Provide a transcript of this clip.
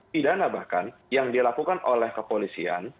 pidana bahkan yang dilakukan oleh kepolisian